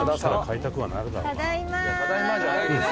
「ただいまじゃないですよ」